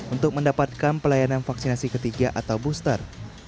untuk mendapatkan pelayanan vaksinasi ketiga atau booster